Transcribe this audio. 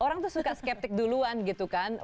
orang tuh suka skeptik duluan gitu kan